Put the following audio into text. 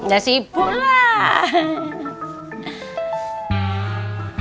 ya sibuk lah